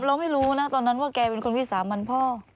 เราไม่รู้นะตอนนั้นว่าแกเป็นคนวิสามันพ่อ